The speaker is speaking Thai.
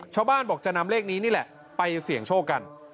ชาวบ้านบอกจะนำเลขนี้นี่แหละไปเสี่ยงโชคกัน